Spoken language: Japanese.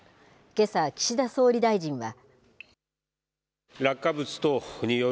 けさ、岸田総理大臣は。